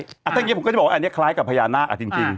ถ้าอย่างนี้ผมก็จะบอกว่าอันนี้คล้ายกับพญานาคจริง